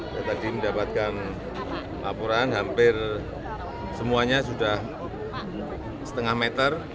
saya tadi mendapatkan laporan hampir semuanya sudah setengah meter